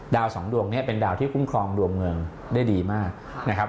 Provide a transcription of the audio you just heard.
สองดวงนี้เป็นดาวที่คุ้มครองดวงเมืองได้ดีมากนะครับ